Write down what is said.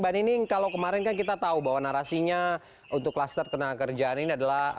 mbak nining kalau kemarin kan kita tahu bahwa narasinya untuk kluster ketenagakerjaan ini adalah